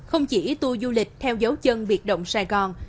không chỉ tour du lịch theo dấu chân biệt động sài gòn